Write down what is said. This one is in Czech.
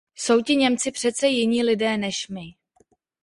Jsou ti Němci přece jiní lidé než my.